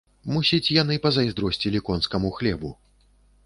Мусіць, яны пазайздросцілі конскаму хлебу.